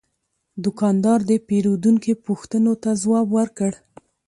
دوکاندار د پیرودونکي پوښتنو ته ځواب ورکړ.